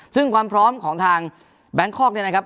ซึ่งความพร้อมของทางแบงคอกเนี่ยนะครับ